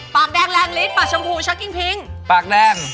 ปากแดงแรงลิ้นปากชมพูชักกิ้งพิ้งปากแดง